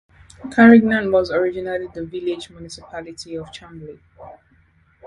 Carignan was originally the Village Municipality of Chambly.